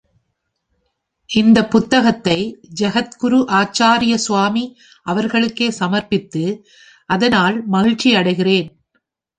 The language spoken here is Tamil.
இந்தப் புத்தகத்தை ஜகத்குரு ஆச்சார்ய சுவாமி அவர்களுக்கே சமர்ப்பித்து அதனால் மகிழ்ச்சி அடைகிறேன்.